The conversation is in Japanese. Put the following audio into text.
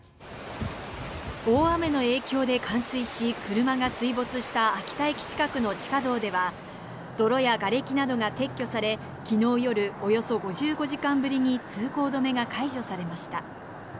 大雨の影響で冠水し車が水没した秋田駅近くの地下道では泥やがれきなどが撤去され昨日夜、およそ５５時間ぶりに通行止めが解除されました。